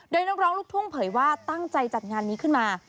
โดยนักร้องลูกทุ่งเผยว่าตั้งใจจัดงานนี้ขึ้นมา